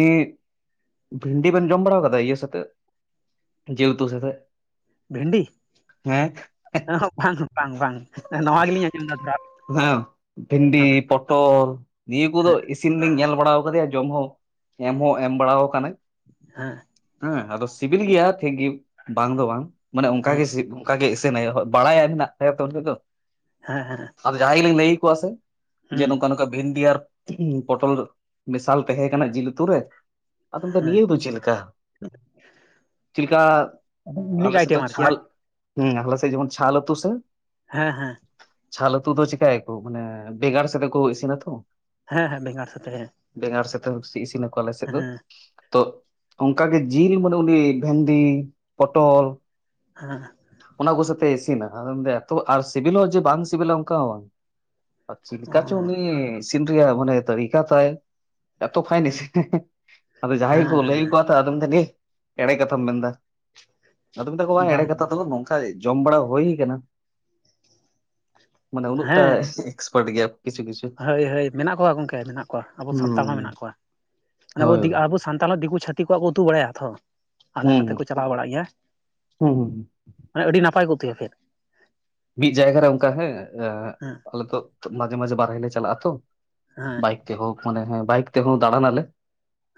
[SPEAKER 2] ᱵᱷᱤᱱᱰᱤ ᱵᱮᱱ ᱡᱚᱢ ᱵᱟᱲᱟ ᱠᱟᱫᱟ ᱤᱭᱟᱹ ᱥᱟᱛᱮᱜ ᱡᱮᱞ ᱩᱛᱩ ᱥᱟᱛᱮᱜ?
[SPEAKER 1] ᱵᱷᱮᱱᱰᱤ,
[SPEAKER 2] ᱦᱮᱸ
[SPEAKER 1] ᱮ ᱵᱟᱝ ᱵᱟᱝ ᱵᱟᱝ ᱱᱟᱣᱟ ᱜᱮᱞᱤᱧ ᱟᱸᱡᱚᱢ ᱮᱫᱟ᱾
[SPEAKER 2] ᱵᱷᱤᱱᱰᱤ
[SPEAKER 1] ᱦᱮᱸ
[SPEAKER 2] ᱛᱚᱞ ᱱᱤᱭᱟᱹ ᱠᱚᱫᱚ ᱤᱥᱤᱱ ᱞᱤᱧ ᱧᱮᱞ ᱵᱟᱲᱟ ᱠᱟᱫᱮᱭᱟ, ᱡᱚᱢ ᱦᱚᱸ ᱮᱢ ᱦᱚᱸ ᱮᱢ ᱵᱟᱲᱟ ᱠᱟᱱᱟᱭ᱾
[SPEAKER 1] ᱦᱮᱸ
[SPEAKER 2] ᱦᱮᱸ ᱟᱫᱚ ᱥᱤᱵᱤᱞ ᱜᱮᱭᱟ, ᱴᱷᱤᱠ ᱜᱤ ᱵᱟᱝ ᱫᱚ ᱵᱟᱝ, ᱢᱟᱱᱮ ᱚᱱᱠᱟ
[SPEAKER 1] ᱦᱮᱸ
[SPEAKER 2] ᱜᱮ ᱥᱤ ᱚᱱᱠᱟ ᱜᱮ ᱤᱥᱤᱱ ᱟᱭ ᱵᱟᱲᱟᱭ ᱦᱮᱱᱟᱜ ᱛᱟᱭᱟ ᱛᱚ ᱩᱱᱤᱫᱚ᱾
[SPEAKER 1] ᱦᱮᱸ, ᱦᱮ, ᱸ
[SPEAKER 2] ᱟᱫᱚ ᱡᱟᱦᱟᱸᱭ ᱜᱮᱞᱤᱧ ᱞᱟᱹᱭ ᱟᱠᱚᱣᱟ ᱥᱮ, ᱡᱮ ᱱᱚᱝᱠᱟ ᱱᱚᱝᱠᱟ ᱵᱷᱤᱱᱰᱤ ᱟᱨ ᱯᱚᱴᱚᱞ ᱢᱮᱥᱟᱞ ᱛᱟᱦᱮᱸ ᱠᱟᱱᱟ, ᱡᱤᱞ ᱩᱛᱩ ᱨᱮ, ᱟᱫᱚ ᱞᱟᱭᱫ
[SPEAKER 1] ᱦᱮᱸ
[SPEAKER 2] ᱱᱤᱭᱟᱹ ᱫᱚ ᱪᱮᱫ ᱞᱮᱠᱟ? ᱪᱮᱫ ᱞᱮᱠᱟ
[SPEAKER 1] ᱤᱱᱤᱠ
[SPEAKER 2] ᱟᱞᱮ ᱥᱮᱫ
[SPEAKER 1] ᱟᱭᱴᱮᱢ
[SPEAKER 2] ᱫᱚ
[SPEAKER 1] ᱟᱨᱠᱤ
[SPEAKER 2] ᱪᱷᱟᱞ, ᱦᱮᱸ ᱟᱞᱮ ᱥᱮᱫ ᱡᱮᱢᱚᱱ ᱪᱷᱟᱞ ᱟᱛᱩ ᱥᱮ,
[SPEAKER 1] ᱦᱮᱸ ᱦᱮᱸ
[SPEAKER 2] ᱪᱷᱟᱞ ᱩᱛᱩ ᱫᱚ ᱪᱤᱠᱟ ᱭᱟᱠᱚ ᱢᱟᱱᱮ, ᱵᱮᱜᱟᱨ ᱥᱟᱛᱮ ᱠᱚ ᱤᱥᱤᱱᱟ ᱛᱚ᱾
[SPEAKER 1] ᱦᱮᱸ, ᱦᱮᱸ ᱵᱮᱜᱟᱲ ᱥᱟᱛᱮ ᱦᱮᱸ,
[SPEAKER 2] ᱵᱮᱸᱜᱟᱲ ᱥᱮᱫᱛᱮ ᱵᱮᱥᱤ ᱤᱥᱤᱱᱟᱠᱚ ᱟᱞᱮ ᱥᱮᱫ ᱫᱚ᱾
[SPEAKER 1] ᱦᱮᱸ
[SPEAKER 2] ᱛᱚ ᱚᱱᱠ ᱜᱮ, ᱡᱤᱞ ᱢᱟᱱᱮ ᱩᱱᱤ ᱵᱷᱮᱱᱰᱤ, ᱯᱚᱴᱚᱞ,
[SPEAKER 1] ᱦᱮᱸ
[SPEAKER 2] ᱚᱱᱟ ᱠᱚ ᱥᱟᱛᱮ ᱤᱥᱤᱱᱟ, ᱟᱫᱚ ᱢᱮᱱᱟ ᱮᱛᱚ ᱟᱨ ᱥᱤᱵᱤᱞ ᱦᱚᱸ ᱡᱮ ᱵᱟᱝ ᱥᱤᱵᱤᱞᱟ ᱚᱱᱠᱟ ᱦᱚᱸ ᱵᱟᱝ᱾ ᱪᱤᱞᱠᱟ ᱪᱚ ᱩᱱᱤ ᱤᱥᱤᱱ ᱨᱮᱭᱟᱜ ᱢᱟᱱᱮ ᱛᱟᱨᱤ ᱠᱟ ᱛᱟᱭ ᱮᱛᱚ ᱯᱷᱟᱭᱤᱱ, ᱤᱥᱤᱱ ᱟᱫᱚ ᱡᱟᱦᱟᱸᱟᱭ ᱠᱚ
[SPEAKER 1] ᱦᱮᱸ
[SPEAKER 2] ᱞᱟᱹᱭ ᱠᱚᱼᱟ ᱟᱫᱚᱢ ᱱᱮ ᱮᱲᱮ ᱠᱟᱛᱷᱟᱢ ᱢᱮᱱᱫᱟ, ᱟᱫᱚ ᱢᱮᱛᱟ ᱠᱚᱣᱟ ᱮᱲᱮ
[SPEAKER 1] ᱵᱟᱝ
[SPEAKER 2] ᱠᱟᱛ
[SPEAKER 1] ᱵᱟᱝ
[SPEAKER 2] ᱱᱚᱝᱠᱟ ᱡᱚᱢ ᱵᱟᱲᱟ ᱦᱩᱭ ᱟᱠᱟᱱᱟ᱾ ᱢᱟᱱᱮ ᱩᱱᱟᱹᱜᱴᱟ
[SPEAKER 1] ᱦᱮᱸ
[SPEAKER 2] ᱮᱠᱥᱯᱟᱨᱴ ᱜᱮᱭᱟ ᱠᱤᱪᱷᱩ ᱠᱤᱪᱷᱩ
[SPEAKER 1] ᱦᱳᱭ, ᱦᱳᱭ, ᱢᱮᱱᱟᱜ ᱠᱚᱣᱟ ᱜᱚᱝᱠᱮ ᱢᱮᱱᱟᱜ ᱠᱚᱣᱟ, ᱟᱵᱚ ᱥᱟᱱᱛᱟᱲ ᱦᱚᱸ
[SPEAKER 2] ᱦᱩᱸ
[SPEAKER 1] ᱢᱮᱱᱟᱜ ᱠᱚᱣᱟ, ᱢᱟᱱᱮ
[SPEAKER 2] ᱦᱳᱭ ᱦᱩᱸ
[SPEAKER 1] ᱟᱵᱚ ᱥᱟᱱᱛᱟᱲ ᱫᱤᱠᱩ ᱪᱷᱟᱹᱛᱤᱠ ᱠᱚᱣᱟᱜ ᱠᱚ ᱩᱛᱩ ᱵᱟᱲᱟᱭᱟ ᱛᱷᱚ, ᱟᱞᱮ ᱱᱚᱛᱮ
[SPEAKER 2] ᱦᱩᱸ
[SPEAKER 1] ᱠᱚ ᱪᱟᱞᱟᱣ ᱵᱟᱲᱟᱜ ᱜᱮᱭᱟ᱾
[SPEAKER 2] ᱦᱩᱸ, ᱦᱩᱸ
[SPEAKER 1] ᱢᱟᱱᱮ ᱟᱹᱰᱤ ᱱᱟᱯᱟᱭ ᱠᱚ ᱩᱛᱩᱭᱟ ᱯᱷᱮᱫ
[SPEAKER 2] ᱢᱤᱫ ᱡᱟᱭᱜᱟ ᱨᱮ ᱚᱱᱠᱟ ᱦᱮᱸ
[SPEAKER 1] ᱦᱮᱸ
[SPEAKER 2] ᱟᱞᱮ ᱛᱚ ᱢᱟᱡᱷᱮ ᱢᱟᱡᱷᱮ ᱵᱟᱨᱦᱮ ᱞᱮ ᱪᱟᱞᱟᱜᱼᱟ ᱛᱚ
[SPEAKER 1] ᱦᱮᱸ
[SPEAKER 2] ᱛᱮ ᱦᱳ ᱢᱟᱱᱮ ᱦᱚ ᱵᱟᱭᱤᱠ ᱛᱮ ᱦᱚ ᱫᱟᱬᱟ ᱱᱟᱞᱮ ᱾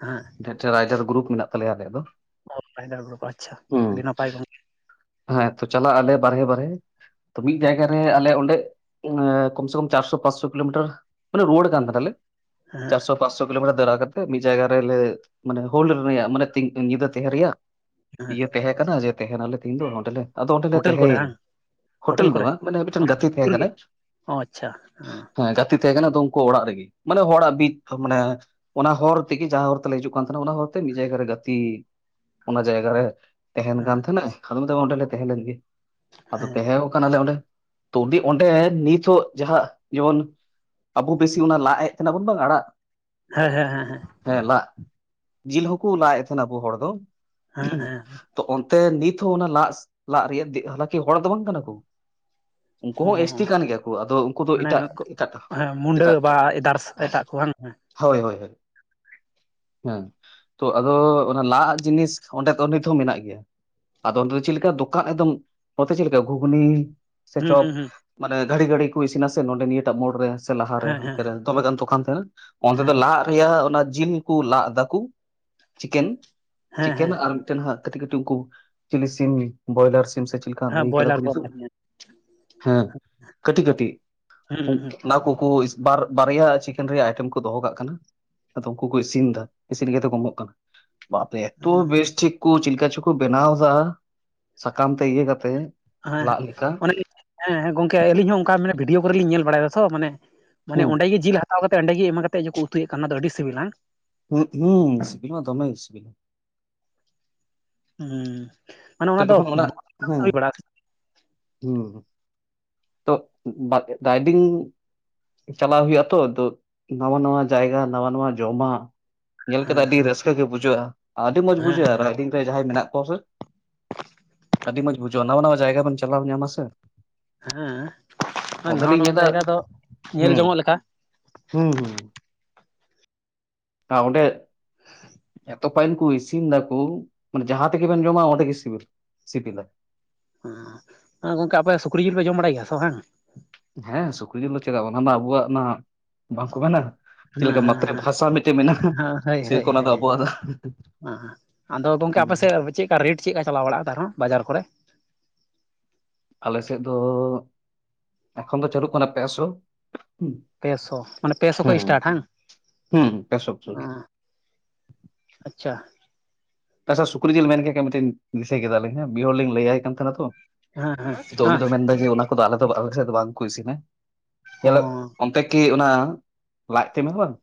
[SPEAKER 1] ᱦᱮᱸ ᱾
[SPEAKER 2] ᱨᱟᱭᱴᱟᱨ ᱜᱨᱩᱯ ᱢᱮᱱᱟᱜ ᱛᱟᱞᱮᱭᱟ ᱟᱞᱮᱭᱟᱜ ᱫᱚ ᱾
[SPEAKER 1] [unintelligible] ᱟᱰᱤ ᱱᱟᱯᱟᱭ ᱾
[SPEAKER 2] ᱦᱮᱸ ᱛᱚ ᱪᱟᱞᱟᱜ ᱟᱞᱮ ᱵᱟᱨᱦᱮ ᱵᱟᱨᱦᱮ ᱾ ᱛᱚ ᱢᱤᱫ ᱡᱟᱭᱜᱟ ᱨᱮ ᱟᱞᱮ ᱚᱸᱰᱮ ᱠᱚᱢ ᱥᱮ ᱠᱚᱢ ᱪᱟᱨᱥᱚ ᱯᱟᱸᱥᱥᱚ ᱠᱤᱞᱳᱢᱤᱴᱟᱨ ᱢᱟᱱᱮ ᱨᱳᱣᱟᱹᱲ ᱠᱟᱱ ᱛᱟᱦᱮᱞᱮ
[SPEAKER 1] ᱦᱮᱸ
[SPEAKER 2] ᱪᱟᱥᱥᱚ ᱯᱟᱸᱪᱥᱳ ᱠᱤᱞᱳᱢᱤᱴᱟᱨ ᱫᱟᱨᱟ ᱠᱟᱛᱮᱫ ᱢᱤᱫ ᱡᱟᱭᱜᱟ ᱨᱮᱞᱮ ᱢᱟᱱᱮ ᱦᱳᱞᱰ ᱨᱮᱭᱟᱜ ᱢᱟᱱᱮ ᱫᱤᱧ ᱧᱤᱫᱟ ᱛᱟᱦᱮ ᱨᱮᱭᱟᱜ ᱾ ᱤᱭᱟᱹ ᱛᱟᱦᱮᱸᱠᱟᱱᱟ ᱡᱮ ᱛᱟᱦᱮᱱᱟᱞᱮ ᱛᱤᱦᱤᱧ ᱫᱚ ᱱᱚᱸᱮᱞᱮ ᱟᱫᱚ ᱚᱸᱰᱮᱞ ᱞᱮ
[SPEAKER 1] ᱦᱳᱴᱮᱞ ᱠᱚᱨᱮ
[SPEAKER 2] ᱛᱟᱦᱮᱸᱭᱮᱱᱟ
[SPEAKER 1] ᱵᱟᱝ
[SPEAKER 2] ᱾ ᱦᱳᱴᱮᱞ ᱫᱚ ᱵᱟᱝ ᱾ ᱢᱟᱱᱮ ᱢᱤᱫᱴᱮᱱ ᱜᱟᱛᱮ ᱛᱟᱦᱮᱸ
[SPEAKER 1] ᱥᱩᱨ ᱜᱮ
[SPEAKER 2] ᱠᱟᱱᱟᱭ
[SPEAKER 1] ᱚ ᱟᱪᱪᱷᱟ
[SPEAKER 2] ᱾ ᱦᱮᱸ ᱜᱟᱛᱮ ᱛᱟᱦᱮᱸ ᱠᱟᱱᱟ ᱟᱫᱚ ᱩᱱᱠᱩ ᱚᱲᱟᱜ ᱨᱮᱜᱮ ᱾ ᱢᱟᱱᱮ ᱦᱚᱲᱟᱜ ᱵᱤᱫ ᱢᱟᱱᱮ ᱚᱱᱟ ᱦᱚᱨ ᱛᱮᱜᱮ ᱡᱟᱦᱟᱸ ᱦᱚᱨ ᱛᱮᱞᱮ ᱦᱤᱡᱩᱜ ᱠᱟᱱ ᱛᱟᱦᱮᱱᱟ ᱚᱱᱟ ᱦᱚᱨᱛᱮ ᱢᱤᱫ ᱡᱟᱭᱜᱟ ᱨᱮ ᱜᱟᱛᱮᱜ ᱚᱱᱟ ᱡᱟᱭᱜᱟ ᱨᱮ ᱛᱟᱦᱮᱱ
[SPEAKER 1] ᱦᱮᱸ
[SPEAKER 2] ᱠᱟᱱ ᱛᱟᱦᱮᱸᱱᱟᱭ, ᱟᱫᱚ ᱢᱮᱱᱫᱟ ᱚᱸᱰᱮ ᱞᱮ ᱛᱟᱦᱮᱸ ᱞᱮᱱ ᱜᱮ ᱾ ᱟᱫᱚ
[SPEAKER 1] ᱦᱮᱸ
[SPEAKER 2] ᱛᱟᱦᱮᱣ ᱠᱟᱱᱟᱞᱮ ᱚᱸᱰᱮ ᱛᱚ ᱚᱸᱰᱮ ᱱᱤᱛᱚᱜ ᱡᱟᱦᱟᱸ ᱡᱮᱢᱚᱱ ᱟᱵᱳ ᱵᱮᱥᱤ ᱚᱱᱟ ᱞᱟᱜ ᱮᱜ ᱛᱟᱦᱮᱱᱟ ᱵᱚᱱ ᱵᱟᱝ ᱟᱲᱟᱜ ᱾
[SPEAKER 1] ᱦᱮᱸ ᱦᱮᱸ ᱦᱮᱸ ᱦᱮᱸ ᱾
[SPEAKER 2] ᱦᱮᱸ ᱞᱟᱜ ᱡᱤᱞ ᱦᱚᱸᱠᱚ ᱞᱟᱜ ᱮᱫ ᱛᱟᱦᱮᱸᱱᱟ ᱟᱵᱩ ᱦᱚᱲ ᱫᱚ
[SPEAKER 1] ᱦᱮᱸ ᱦᱮᱸ
[SPEAKER 2] ᱾ ᱛᱚ ᱚᱱᱛᱮ ᱱᱤᱛ ᱦᱚᱸ ᱚᱱᱟ ᱞᱟᱜ ᱞᱟᱜ ᱨᱤᱭᱟᱜ, ᱫᱤᱱ ᱦᱟᱞᱟᱠᱤ ᱦᱚᱲ ᱫᱚ ᱵᱟᱝ ᱠᱟᱱᱟ ᱠᱚ ᱾ ᱩᱱᱠᱳ ᱦᱚᱸ
[SPEAKER 1] ᱦᱮᱸ
[SPEAKER 2] ᱮᱥᱴᱤ ᱠᱟᱱ ᱜᱮᱭᱟ ᱠᱚ, ᱟᱫᱚ ᱩᱱᱠᱩ ᱫᱚ
[SPEAKER 1] ᱢᱟᱱᱮ
[SPEAKER 2] ᱮᱴᱟᱜ ᱮᱴᱟᱜ
[SPEAKER 1] ᱦᱮᱸ ᱢᱩᱰᱟᱹ
[SPEAKER 2] ᱮᱴᱟᱜ
[SPEAKER 1] ᱵᱟ
[SPEAKER 2] ᱴᱟᱜ
[SPEAKER 1] ᱮᱫᱟᱨᱥ ᱮᱴᱟᱜ ᱠᱚ ᱵᱟᱝ
[SPEAKER 2] ᱦᱳᱭ ᱦᱳᱭ ᱦᱳᱭ ᱾ ᱦᱮᱸ ᱛᱚ ᱟᱫᱚ ᱚᱱᱟ ᱞᱟᱜ ᱟᱜ ᱡᱤᱱᱤᱥ ᱚᱸᱰᱮ ᱱᱤᱛ ᱦᱚᱸ ᱢᱤᱱᱟᱜ ᱜᱮᱭᱟ ᱾ ᱟᱫᱚ ᱚᱸᱰᱮ ᱫᱚ ᱪᱤᱫ ᱞᱮᱠᱟ ᱫᱚᱠᱟᱜ ᱮᱠᱫᱚᱢ ᱱᱚᱛᱮ ᱪᱮᱫ ᱞᱮᱠᱟ ᱜᱷᱩᱜᱽᱱᱤ ᱥᱮ
[SPEAKER 1] ᱦᱩᱸ
[SPEAKER 2] ᱪᱚᱯ
[SPEAKER 1] ᱦᱩᱸ ᱦᱩᱸ
[SPEAKER 2] ᱢᱟᱱᱮ ᱜᱷᱟᱹᱲᱤ ᱜᱷᱟᱹᱲᱤ ᱠᱚ ᱤᱥᱤᱱᱟ ᱥᱮ ᱱᱚᱸᱰᱮ ᱱᱤᱭᱟᱹᱴᱟᱜ ᱢᱳᱲ ᱨᱮ ᱾ ᱥᱮ ᱞᱟᱦᱟᱨᱮ
[SPEAKER 1] ᱦᱮᱸ ᱦᱮᱸ
[SPEAKER 2] ᱦᱟᱱᱛᱮ ᱨᱮ ᱫᱚᱢᱮ ᱜᱟᱱ ᱫᱚᱠᱟᱱ ᱛᱟᱦᱮᱱᱟ ᱚᱱᱛᱮ
[SPEAKER 1] ᱦᱮᱸ
[SPEAKER 2] ᱫᱚ ᱞᱟᱜᱼᱟᱜ ᱨᱤᱭᱟᱜ ᱚᱱᱟ ᱡᱤᱞ ᱠᱩ ᱞᱟᱜ ᱫᱟᱠᱩ ᱪᱤᱠᱮᱱ
[SPEAKER 1] ᱦᱮᱸ
[SPEAKER 2] ᱪᱤᱠᱮᱱ
[SPEAKER 1] ᱦᱮᱸ
[SPEAKER 2] ᱟᱨ ᱢᱤᱫᱴᱮᱱ ᱦᱟᱸᱜ ᱠᱟᱹᱴᱤᱡ ᱠᱟᱹᱴᱤᱡ ᱩᱝᱠᱩ ᱪᱤᱞᱤ ᱥᱤᱢ ᱵᱚᱭᱞᱟᱨ ᱥᱤᱢ ᱥᱮ ᱪᱮᱫ ᱞᱮᱠᱟ
[SPEAKER 1] ᱦᱮᱸ
[SPEAKER 2] ᱞᱟᱹᱭ ᱠᱟᱫᱟ
[SPEAKER 1] ᱵᱚᱭᱞᱟᱨ
[SPEAKER 2] ᱠᱚ ᱧᱩᱛᱩᱢ ᱾
[SPEAKER 1] ᱦᱮᱸ
[SPEAKER 2] ᱦᱮᱸ ᱠᱟᱹᱴᱤᱡ ᱠᱟᱹᱴᱤᱡ
[SPEAKER 1] ᱦᱮᱸ ᱦᱮᱸ
[SPEAKER 2] ᱚᱱᱟ ᱠᱚ ᱠᱩ ᱵᱟᱨ ᱵᱟᱨᱭᱟ ᱪᱤᱠᱮᱱ ᱨᱤᱭᱟᱜ ᱟᱭᱴᱮᱢ ᱠᱚ ᱫᱚᱦᱚ ᱠᱟᱜ ᱠᱟᱱᱟ ᱾ ᱟᱫᱚ ᱩᱝᱠᱩ ᱠᱚ ᱤᱥᱤᱱ ᱫᱟ ᱤᱥᱤᱱ ᱠᱟᱛᱮ ᱠᱚ ᱮᱢᱚᱜ ᱠᱟᱱᱟ ᱾ ᱵᱟᱯᱮ ᱮᱛᱚ ᱵᱮᱥ ᱴᱷᱤᱠ ᱠᱚ ᱪᱤᱞᱠᱟ ᱪᱚᱠᱩ ᱵᱮᱱᱟᱣ ᱫᱟ ᱥᱟᱠᱟᱢ ᱛᱮ ᱤᱭᱟᱹ ᱠᱟ ᱛᱮ
[SPEAKER 1] ᱦᱮᱸ ᱚᱱᱮ ᱞᱤᱧ ᱦᱮᱸ ᱜᱚᱝᱠᱮ ᱟᱞᱤᱧ ᱦᱚᱸ ᱚᱱᱠᱟ ᱵᱷᱤᱰᱭᱳ ᱠᱚᱨᱮ ᱞᱤᱧ ᱧᱮᱞ ᱵᱟᱲᱟᱭ ᱫᱟ ᱛᱚ ᱢᱟᱱᱮ, ᱢᱟᱱᱮ
[SPEAKER 2] ᱦᱩᱸ
[SPEAKER 1] ᱚᱸᱰᱮ ᱜᱤ ᱡᱤᱞ ᱦᱟᱛᱟᱣ ᱠᱟᱛᱮᱫ ᱚᱸᱰᱮ ᱜᱤ ᱮᱢᱟ ᱠᱟᱛᱮ ᱜᱤ ᱩᱛᱩᱭᱮᱫ ᱚᱱᱟ ᱫᱚ ᱟᱹᱰᱤ ᱥᱤᱵᱤᱞᱟ ᱦᱟᱝ?
[SPEAKER 2] ᱦᱩ ᱦᱩᱸ ᱥᱤᱵᱤᱞ ᱢᱟ ᱫᱚᱢᱮ ᱥᱤᱵᱤᱞ ᱾
[SPEAKER 1] ᱦᱩᱸ ᱢᱟᱱᱮ ᱚᱱᱟ ᱫᱚ ᱦᱩᱭ ᱵᱟᱲᱟᱜ ᱠᱟᱱᱟ ᱾
[SPEAKER 2] ᱦᱮᱸ ᱛᱚ, ᱵᱟᱝ ᱨᱟᱭᱰᱤᱝ ᱪᱟᱞᱟᱣ ᱦᱩᱭᱩᱜᱼᱟ ᱛᱚ ᱾ ᱟᱫᱚ ᱱᱟᱣᱟ ᱱᱟᱣᱟ ᱡᱟᱭᱜᱟ ᱱᱟᱣᱟ ᱱᱟᱶᱟ ᱡᱚᱢᱟᱜ, ᱧᱮᱞ ᱠᱟᱛᱮᱜ
[SPEAKER 1] ᱦᱮᱸ
[SPEAKER 2] ᱟᱹᱰᱤ ᱨᱟᱹᱥᱠᱟᱹ ᱜᱮ ᱵᱩᱡᱷᱟᱹᱜᱼᱟ ᱾ ᱟᱹᱰᱤ ᱢᱚᱸᱡᱽ ᱵᱩᱡᱷᱟᱹᱜᱼᱟ ᱨᱟᱭᱰᱤᱝ ᱨᱮ ᱡᱟᱦᱟᱸᱭ ᱢᱮᱱᱟᱜ ᱠᱚᱣᱟ ᱥᱮ ᱾
[SPEAKER 1] [inaudible]
[SPEAKER 2] ᱟᱹᱰᱤ ᱢᱚᱡᱽ ᱵᱩᱡᱷᱟᱹᱣᱼᱟ ᱱᱟᱣᱟ ᱱᱟᱣᱟ ᱡᱟᱭᱜᱟ ᱵᱮᱱ ᱪᱟᱞᱟᱣ ᱧᱟᱢᱟ ᱥᱮ ᱾
[SPEAKER 1] ᱦᱮᱸ ᱦᱮᱸ ᱱᱟᱣᱟ
[SPEAKER 2] ᱚᱸᱰᱮᱞᱤᱧ
[SPEAKER 1] ᱱᱟᱣᱟ
[SPEAKER 2] ᱧᱮᱫᱟ
[SPEAKER 1] ᱡᱟᱭᱜᱟ ᱫᱚ ᱧᱮᱞ
[SPEAKER 2] ᱦᱩᱸ
[SPEAKER 1] ᱡᱚᱝᱚᱜ ᱞᱮᱠᱟ
[SPEAKER 2] ᱦᱩᱸ ᱦᱩᱸ ᱾ ᱟᱜ ᱚᱸᱰᱮ ᱮᱛᱚ ᱯᱟᱭᱤᱞ ᱠᱩ ᱤᱥᱤᱱ ᱫᱟᱠᱩ ᱢᱟᱱᱮ ᱡᱟᱦᱟᱸ ᱛᱮᱜᱮᱵᱮᱱ ᱡᱚᱢᱟ ᱚᱸᱰᱮᱜᱮ ᱥᱤᱵᱤᱞᱟ ᱾
[SPEAKER 1] ᱦᱩᱸ ᱜᱚᱝᱠᱮ ᱟᱯᱮ ᱥᱩᱠᱨᱤ ᱡᱤᱞ ᱯᱮ ᱡᱚᱢ ᱵᱟᱲᱟᱭ ᱜᱮᱭᱟ ᱥᱮ ᱵᱟᱝ?
[SPEAKER 2] ᱦᱮᱸ ᱥᱩᱠᱨᱤ ᱡᱤᱞ ᱫᱚ ᱪᱮᱫᱟᱜ ᱵᱟᱝ ᱚᱱᱟ ᱢᱟ ᱟᱵᱩᱣᱟᱜ ᱢᱟ ᱵᱟᱝ ᱠᱚ ᱢᱮᱱᱟ᱾ ᱪᱮᱫ
[SPEAKER 1] ᱦᱮᱸ
[SPEAKER 2] ᱞᱮᱠᱟ ᱢᱟᱛᱛᱨᱤ
[SPEAKER 1] ᱦᱮᱸ
[SPEAKER 2] ᱵᱷᱟᱥᱟ ᱢᱤᱫᱴᱮᱡ ᱢᱮᱱᱟᱜ-ᱟ, ᱥᱮᱨᱚᱠᱚᱢ ᱚᱱᱟ ᱫᱚ ᱟᱵᱚᱣᱟᱜ ᱫᱚ
[SPEAKER 1] ᱦᱟᱸ ᱟᱫᱚ ᱜᱚᱝᱠᱮ ᱟᱯᱮ
[SPEAKER 2] ᱦᱩᱸ
[SPEAKER 1] ᱥᱮᱫ ᱪᱤᱫᱠᱟ ᱨᱮᱴ ᱪᱤᱜᱠᱟ ᱪᱟᱞᱟᱣ ᱵᱟᱲᱟᱜ-ᱟ ᱛᱟᱨᱮᱦᱚᱸ ᱵᱟᱡᱟᱨ ᱠᱚᱨᱮ?
[SPEAKER 2] ᱟᱞᱮ ᱥᱮᱫ ᱫᱚ ᱮᱠᱷᱚᱱ ᱫᱚ ᱪᱟᱹᱞᱩᱜ ᱠᱟᱱᱟ ᱯᱮ ᱥᱚ᱾
[SPEAKER 1] ᱯᱮ ᱥᱚ ᱢᱟᱱᱮ ᱯᱮ ᱥᱚ ᱠᱷᱚᱡ ᱤᱥᱴᱟᱨᱴ ᱦᱟᱝ
[SPEAKER 2] ᱦᱩᱸ ᱯᱮᱥᱚ
[SPEAKER 1] ᱟᱸ ᱟᱪᱪᱷᱟ,
[SPEAKER 2] ᱟᱪᱪᱷᱟ ᱥᱩᱠᱨᱤ ᱡᱤᱞ ᱢᱮᱱ ᱠᱮᱜ ᱠᱷᱟᱡ ᱢᱤᱫᱴᱤᱱ ᱫᱤᱥᱟᱹᱭ ᱠᱮᱫᱟᱞᱤᱧ ᱦᱮᱸ ᱵᱤ ᱦᱚᱲᱞᱤᱧ ᱞᱟᱹᱭᱟᱭ ᱠᱟᱱ ᱛᱟᱦᱮᱱᱟ ᱛᱚ
[SPEAKER 1] ᱦᱮᱸ
[SPEAKER 2] ᱛᱚ ᱩᱱᱤ
[SPEAKER 1] ᱦᱮᱸ
[SPEAKER 2] ᱫᱚ ᱢᱮᱱᱫᱟ ᱡᱮ ᱚᱱᱟ ᱠᱚᱫᱚ ᱟᱞᱮ ᱫᱚ ᱟᱞᱮ ᱥᱮᱜ ᱫᱚ ᱵᱟᱝ ᱠᱚ ᱤᱥᱤᱱᱟ᱾
[SPEAKER 1] ᱚ
[SPEAKER 2] [unintelligible] ᱚᱱᱛᱮ ᱠᱤ ᱚᱱᱟ ᱞᱟᱡᱛᱮ [unintelligible] ᱦᱚᱸ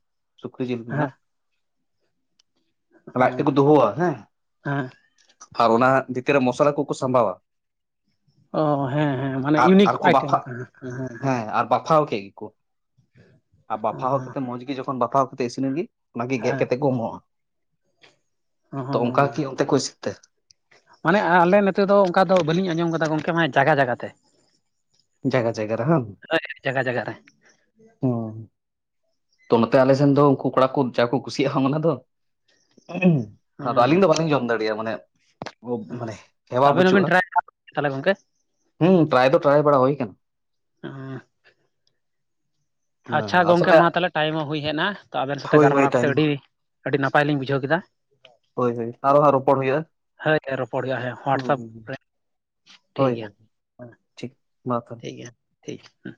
[SPEAKER 2] ᱥᱩᱠᱨᱤ ᱡᱤᱞ
[SPEAKER 1] ᱦᱮᱸ
[SPEAKER 2] ᱨᱤᱱᱟᱜ᱾ ᱞᱟᱡ ᱛᱮᱫ ᱠᱚ ᱫᱩᱦᱟᱹᱣᱟ ᱦᱮᱸ
[SPEAKER 1] ᱦᱮᱸ
[SPEAKER 2] ᱟᱨ ᱚᱱᱟ ᱵᱷᱤᱛᱤᱨ ᱨᱮ ᱢᱚᱥᱞᱟ ᱠᱚᱠᱚ ᱥᱟᱢᱵᱟᱣᱟ᱾
[SPEAKER 1] ᱚᱸ ᱦᱮᱸ ᱦᱮᱸ ᱢᱟᱱᱮ
[SPEAKER 2] ᱟᱨ
[SPEAKER 1] ᱤᱭᱩᱱᱤᱠ
[SPEAKER 2] ᱟᱨᱠᱚ
[SPEAKER 1] ᱟᱭᱴᱮᱢ
[SPEAKER 2] ᱵᱟᱯᱷᱟᱜ
[SPEAKER 1] ᱞᱮᱠᱟ ᱦᱮᱸ ᱦᱮᱸ ᱦᱮᱸ᱾
[SPEAKER 2] ᱵᱟᱯᱷᱟᱣ ᱠᱮᱜ ᱜᱮᱠᱚ ᱟᱨ ᱵᱟᱯᱷᱟᱣ ᱠᱟᱛᱮᱜ ᱢᱚᱸᱡᱽ ᱜᱮ ᱡᱚᱠᱷᱚᱱ ᱵᱟᱛᱷᱟᱣ ᱠᱟᱛᱮ ᱤᱥᱤᱱ ᱮᱱ ᱜᱤ ᱚᱱᱟ ᱜᱤ ᱜᱮᱜ ᱠᱟᱛᱮᱫ ᱠᱚ ᱮᱢᱚᱜ-ᱟ᱾ ᱛᱚ ᱚᱝᱠᱟ
[SPEAKER 1] ᱦᱮᱸ
[SPEAKER 2] ᱠᱤ ᱚᱱᱛᱮ ᱠᱚ ᱤᱥᱤᱱ ᱛᱮ?
[SPEAKER 1] ᱢᱟᱱᱮ ᱟᱸ ᱟᱞᱮ ᱱᱮᱛᱮ ᱫᱚ ᱚᱝᱠᱟ ᱫᱚ ᱵᱟᱹᱞᱤᱧ ᱟᱸᱡᱚᱢ ᱠᱟᱫᱟ ᱜᱚᱝᱠᱮ ᱢᱟᱭ ᱡᱟᱭᱜᱟ ᱡᱟᱭᱜᱟ ᱛᱮ᱾
[SPEAKER 2] ᱡᱟᱭᱜᱟ ᱡᱟᱭᱜᱟ ᱨᱮ ᱦᱟᱝ᱾
[SPEAKER 1] [inaudible] ᱡᱟᱜᱟ ᱡᱟᱜᱟ ᱨᱮ᱾
[SPEAKER 2] ᱦᱩᱸ ᱛᱚ ᱱᱚᱛᱮ ᱟᱞᱮ ᱥᱮᱱ ᱫᱚ ᱩᱝᱠᱩ ᱠᱚᱲᱟ ᱠᱚ ᱡᱟ ᱠᱚ ᱠᱩᱥᱤᱭᱟᱜᱼᱟ ᱦᱟᱝ ᱚᱱᱟ ᱫᱚ [inaudible] ᱟᱨ
[SPEAKER 1] ᱦᱮᱸ
[SPEAKER 2] ᱟᱹᱞᱤᱧ ᱫᱚ ᱵᱟᱞᱤᱧ ᱡᱚᱢ ᱫᱟᱲᱮᱭᱟ ᱢᱟᱱᱮ ᱳᱵ ᱢᱟᱱᱮ ᱦᱮᱣᱟ
[SPEAKER 1] ᱟᱵᱮᱱ ᱦᱚᱸᱵᱮᱱ
[SPEAKER 2] ᱵᱟᱹᱪᱩᱜᱼᱟ
[SPEAKER 1] ᱴᱨᱟᱭ ᱛᱟᱦᱚᱞᱮ ᱜᱚᱝᱠᱮ
[SPEAKER 2] ᱦᱩᱸ ᱴᱨᱟᱭ ᱫᱚ ᱴᱨᱟᱭ ᱵᱟᱲᱟ ᱦᱳᱭ ᱠᱟᱱᱟ᱾
[SPEAKER 1] [inaudible]
[SPEAKER 2] ᱦᱮᱸ
[SPEAKER 1] ᱟᱪᱪᱷᱟ ᱜᱚᱝᱠᱮ
[SPEAKER 2] ᱟᱥᱚᱞᱮ
[SPEAKER 1] ᱢᱟ ᱛᱟᱞᱮ ᱴᱟᱭᱤᱢ ᱦᱚᱸ ᱦᱩᱭ ᱦᱮᱡ ᱮᱱᱟ ᱛᱚ ᱟᱵᱮᱱ ᱥᱟᱛᱮ
[SPEAKER 2] ᱦᱳᱭ ᱦᱳᱭ
[SPEAKER 1] ᱜᱟᱨᱢᱟᱨᱟᱣ ᱠᱟᱛᱮ
[SPEAKER 2] ᱴᱟᱭᱤᱢ
[SPEAKER 1] ᱟᱹᱰᱤ ᱟᱹᱰᱤ ᱱᱟᱯᱟᱭ ᱞᱤᱧ ᱵᱩᱡᱷᱟᱹᱣ ᱠᱮᱫᱟ᱾
[SPEAKER 2] ᱦᱳᱭ ᱦᱳᱭ ᱟᱨᱚ ᱦᱟᱸᱜ ᱨᱚᱯᱚᱲ ᱦᱩᱭᱩᱜᱼᱟ
[SPEAKER 1] ᱦᱟᱹᱴ ᱮ ᱨᱚᱯᱚᱲ ᱦᱩᱭᱩᱜᱟ ᱦᱮᱸ ᱦᱳᱣᱟᱴᱥᱮᱯ
[SPEAKER 2] ᱦᱩᱸ
[SPEAKER 1] ᱨᱮ ᱴᱷᱤᱠ
[SPEAKER 2] ᱦᱳᱭ
[SPEAKER 1] ᱜᱮᱭᱟ
[SPEAKER 2] ᱦᱳᱭ ᱴᱷᱤᱠ ᱢᱟ ᱛᱟᱦᱚᱞᱮ
[SPEAKER 1] ᱴᱷᱤᱠ ᱜᱮᱭᱟ ᱴᱷᱤᱠ ᱦᱩᱸ᱾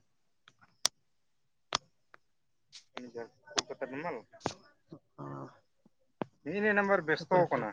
[SPEAKER 1] [inaudible] ᱱᱤᱜ ᱱᱤᱭᱟᱹ ᱱᱟᱢᱵᱟᱨ ᱵᱮᱥᱛᱚ ᱠᱟᱱᱟ᱾